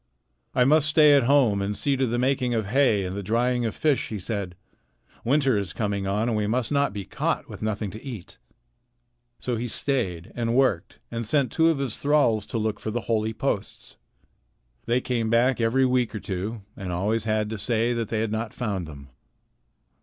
"I must stay at home and see to the making of hay and the drying of fish," he said. "Winter is coming on, and we must not be caught with nothing to eat." So he stayed and worked and sent two of his thralls to look for the holy posts. They came back every week or two and always had to say that they had not found them.